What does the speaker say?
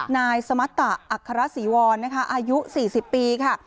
นายสมัตตะอัคราศีวรอายุ๔๐ปีค่ะ